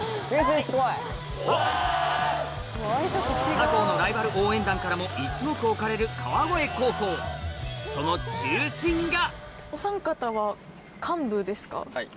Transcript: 他校のライバル応援団からも一目置かれる川越高校そのはい。